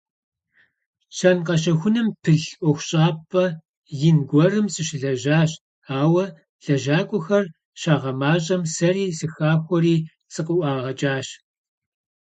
Щэн-къэщэхуным пылъ ӏуэхущӏапӏэ ин гуэрым сыщылэжьащ, ауэ, лэжьакӀуэхэр щагъэмащӀэм, сэри сыхэхуэри, сыкъыӀуагъэкӀащ.